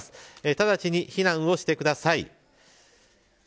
直ちに避難をしてください。